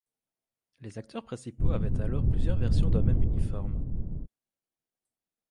Les acteurs principaux avaient alors plusieurs versions d'un même uniforme.